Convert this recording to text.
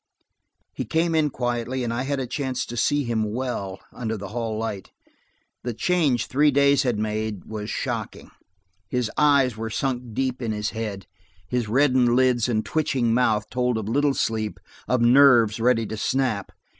He came in quietly, and I had a chance to see him well, under the hall light; the change three days had made was shocking. His eyes were sunk deep in his head, his reddened lids and twitching mouth told of little sleep, of nerves ready to snap.